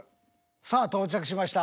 さあ到着しました。